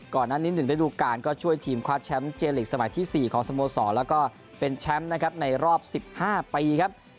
ก่อนหน้านี้๑ฤดูการก็ช่วยทีมคว้าแชมป์เจลิกสมัยที่๔ของสโมสรแล้วก็เป็นแชมป์นะครับในรอบ๑๕ปีครับ